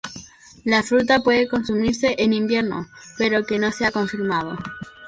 La fruta puede consumirse en invierno, pero que no se ha confirmado.